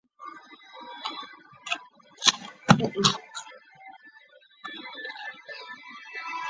他在第四任帝国皇帝沙胡。